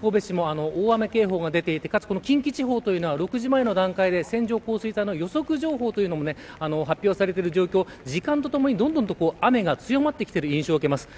神戸市も大雨警報が出ていてかつ、近畿地方は６時前の段階で線状降水帯の予測情報も発表されている状況時間とともにどんどん雨が強まってきている印象です。